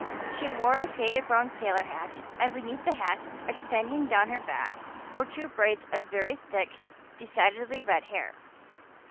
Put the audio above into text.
She wore a faded brown sailor hat and beneath the hat, extending down her back, were two braids of very thick, decidedly red hair.